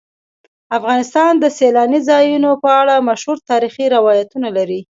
افغانستان د سیلانی ځایونه په اړه مشهور تاریخی روایتونه لري.